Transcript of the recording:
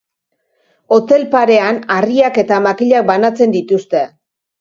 Hotel parean harriak eta makilak banatzen dituzte.